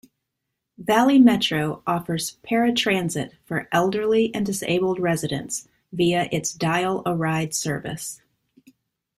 Valley Metro offers paratransit for elderly and disabled residents via its Dial-a-Ride service.